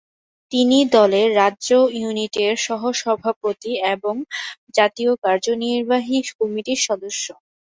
তিনি দলের রাজ্য ইউনিটের সহ-সভাপতি এবং জাতীয় কার্যনির্বাহী কমিটির সদস্য।